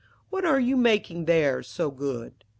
What are you making there, so good?'